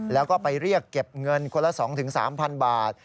แล้วก็ไปเรียกเก็บเงินคนละ๒๓๐๐๐บาท